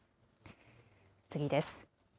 次です。